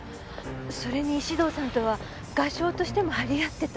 それに石堂さんとは画商としても張り合ってた。